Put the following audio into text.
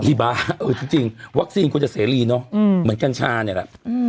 หิบะเออจริงวัคซีนควรจะเสียรีเนาะเหมือนกรรชานี่แหละ